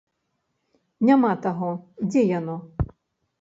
Няма таго, дзе яно?